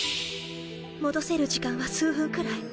戻せる時間は数分くらい